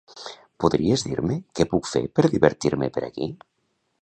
Podries dir-me què puc fer per divertir-me per aquí?